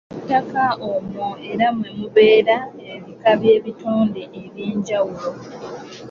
Mu ttaka omwo era mwe mubeera ebika by'ebitonde ebyenjawulo